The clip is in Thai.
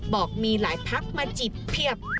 บอกมีหลายพักมาจิบเพียบ